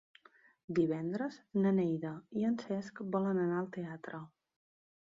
Divendres na Neida i en Cesc volen anar al teatre.